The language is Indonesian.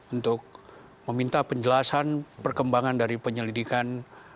untuk meminta penjelasan perkembangan dari penyelidikan